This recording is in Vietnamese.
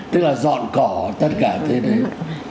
tức là dọn cỏ tất cả thế đấy